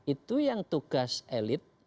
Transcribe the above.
itu yang tugas elit